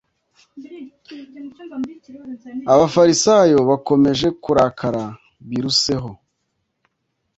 Abafarisayo bakomeje kurakara biruseho.